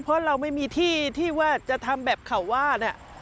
เพราะเราไม่มีที่ที่ว่าจะทำแบบเขาว่าเนี่ย